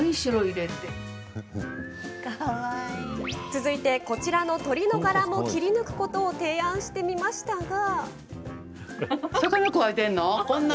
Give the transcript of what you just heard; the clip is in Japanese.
続いて、こちらの鳥の柄も切り抜くことを提案してみましたが。